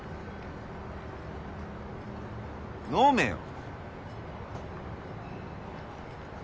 飲めよ！